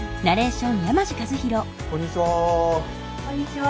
こんにちは。